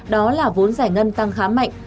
đó là vốn giải ngân tăng khá mạnh